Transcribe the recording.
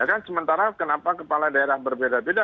ya kan sementara kenapa kepala daerah berbeda beda